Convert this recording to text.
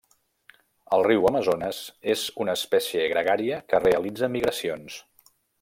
Al riu Amazones, és una espècie gregària que realitza migracions.